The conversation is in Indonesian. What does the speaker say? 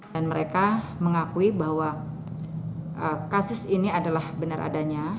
dan mereka mengakui bahwa kasus ini adalah benar adanya